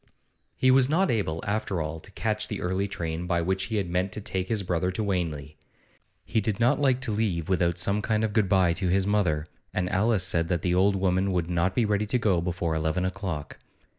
He was not able, after all, to catch the early train by which he had meant to take his brother to Wanley. He did not like to leave without some kind of good bye to his mother, and Alice said that the old woman would not be ready to go before eleven o'clock.